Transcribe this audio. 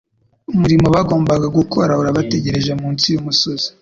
Umurimo bagomba gukora urabategereje munsi y'umusozi.